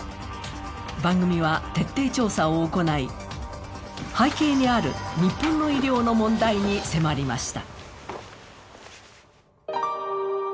番組は徹底調査を行い、背景にある日本の医療の問題に迫りました。